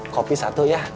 kopi satu ya